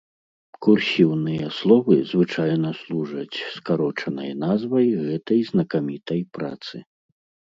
Курсіўныя словы звычайна служаць скарочанай назвай гэтай знакамітай працы.